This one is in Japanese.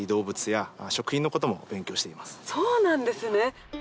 そうなんですね。